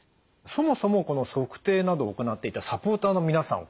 そもそもこの測定などを行っていたサポーターの皆さん